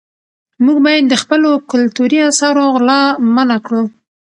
موږ باید د خپلو کلتوري اثارو غلا منعه کړو.